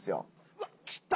うわ来た。